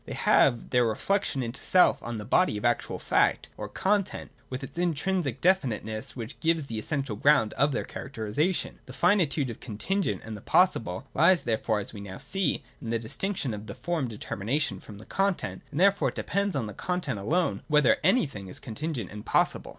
They have their reflection into self on the body of actual fact, or content, with its intrinsic definiteness which gives the essential ground of their characterisation. The finitude of the contingent and the possible lies, there fore, as we now see, in the distinction of the form deter mination from the content : and, therefore, it depends on the content alone whether anything is contingent and possible.